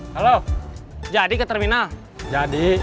saya menghentikannya sih